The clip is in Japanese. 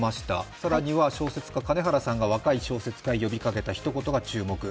更には小説家金原さんが若い小説家に呼びかけたひと言が話題に。